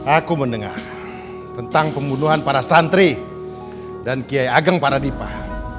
aku mendengar tentang pembunuhan para santri dan kiai ageng paradipah